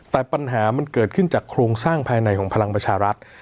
แต่ปัญหามันเกิดขึ้นจากโครงสร้างภายในของพลังประชารัฐ